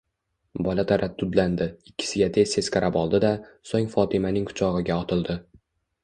Bola taraddudlandi, ikkisiga teztez qarab oldida, so'ng Fotimaning quchog'iga otildi.